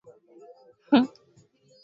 Jicho lake hupendeza